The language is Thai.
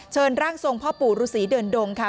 เชิญร่างทรงพ่อปู่รุศีเดินดงค่ะ